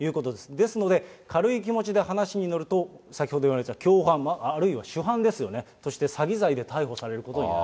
ですので、軽い気持ちで話に乗ると、先ほど言われた共犯、あるいは主犯ですよね、という詐欺罪で逮捕されることになると。